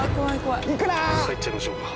さあ行っちゃいましょうか。